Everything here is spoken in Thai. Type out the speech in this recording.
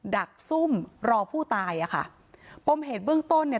ดักซุ่มรอผู้ตายอ่ะค่ะปมเหตุเบื้องต้นเนี่ย